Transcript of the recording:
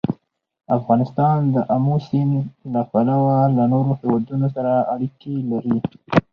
افغانستان د آمو سیند له پلوه له نورو هېوادونو سره اړیکې لري.